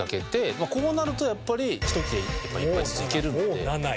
まあこうなるとやっぱりひと切れ１杯ずついけるので。